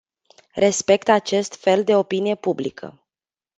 Respect acest fel de opinie publică.